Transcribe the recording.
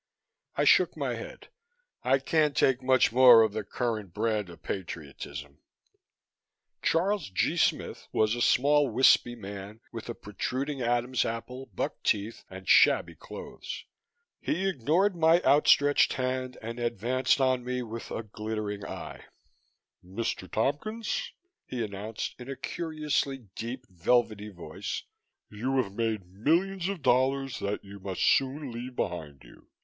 I shook my head. "I can't take much more of the current brand of patriotism." Charles G. Smith was a small, wispy man, with a protruding Adam's apple, buck teeth and shabby clothes. He ignored my outstretched hand and advanced on me, with a glittering eye. "Mr. Tompkins," he announced, in a curiously deep, velvety voice, "you have made millions of dollars that you must soon leave behind you.